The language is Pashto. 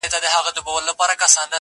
یو ګنجی خدای برابر پر دې بازار کړ!.